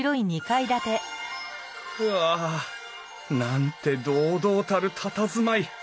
うわなんて堂々たるたたずまい。